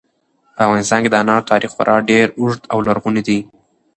په افغانستان کې د انارو تاریخ خورا ډېر اوږد او لرغونی دی.